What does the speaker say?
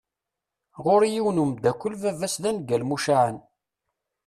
Ɣur-i yiwen umdakel baba-s d aneggal mucaεen.